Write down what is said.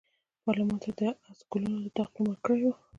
پارلمان ته یې د آس ګلو د اطاق نوم ورکړی وو.